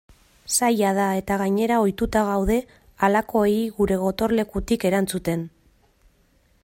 Zaila da eta gainera ohituta gaude halakoei gure gotorlekutik erantzuten.